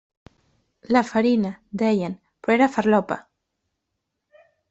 La farina, deien, però era farlopa.